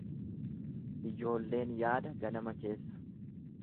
Ijoolleen yaada ganama keessa.